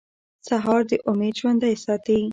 سهار د امید ژوندی ساتي.